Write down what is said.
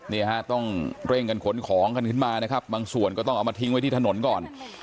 นี่ฮะต้องเร่งกันขนของกันขึ้นมานะครับบางส่วนก็ต้องเอามาทิ้งไว้ที่ถนนก่อน